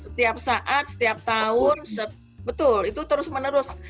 setiap saat setiap tahun betul itu terus menerus